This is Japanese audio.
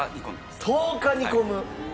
１０日煮込む！